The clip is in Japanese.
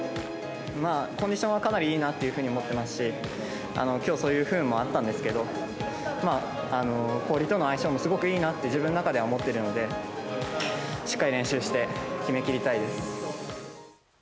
コンディションはかなりいいなというふうに思ってますし、きょう、そういう不運もあったんですけど、氷との相性もすごくいいなって、自分の中では思っているので、しっかり練習して、決めきりたいです。